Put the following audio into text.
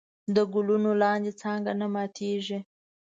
د ګلونو لاندې څانګه نه ماتېږي.